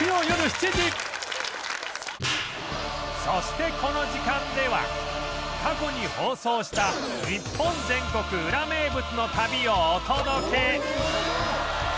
そしてこの時間では過去に放送した日本全国ウラ名物の旅をお届け